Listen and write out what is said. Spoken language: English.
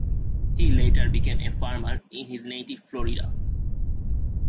He later became a farmer in his native Florida.